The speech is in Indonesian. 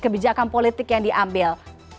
kebijakan politik yang diambil